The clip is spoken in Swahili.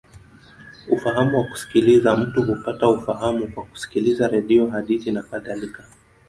Ufahamu wa kusikiliza: mtu hupata ufahamu kwa kusikiliza redio, hadithi, nakadhalika.